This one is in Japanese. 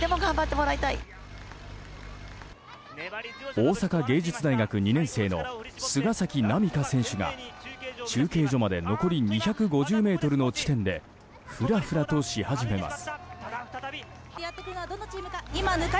大阪芸術大学２年生の菅崎南花選手が中継所まで残り２５０ｍの地点でふらふらとし始めます。